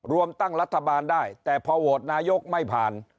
รวมตั้งรัฐบาลได้แต่พอโหวตนายกไม่ผ่าน